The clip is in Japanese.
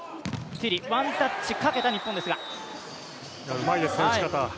うまいですね、打ち方。